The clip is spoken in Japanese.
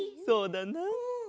そうだな。